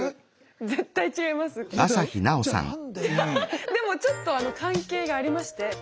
ハハハでもちょっと関係がありまして。